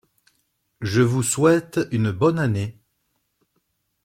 Je vous souhaite une bonne année.